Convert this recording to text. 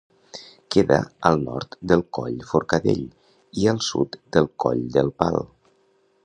Queda al nord del Coll Forcadell i al sud del Coll del Pal.